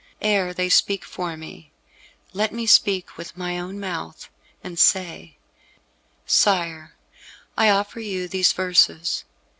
Ere they speak for me, let me speak with my own mouth, and say, "Sire, I offer you these verses.